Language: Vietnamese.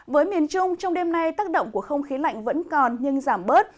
với miền trung trong đêm nay tác động của không khí lạnh vẫn còn nhưng giảm bớt